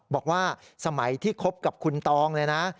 บอกว่าสมัยที่คบกับคุณตองเลยนะ